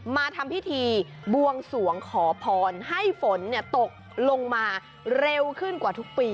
มาทำพิธีบวงสวงขอพรให้ฝนตกลงมาเร็วขึ้นกว่าทุกปี